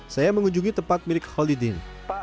saya mengunjungi tempat milik holidin